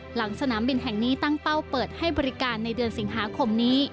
สนามบินแห่งนี้ตั้งเป้าเปิดให้บริการในเดือนสิงหาคมนี้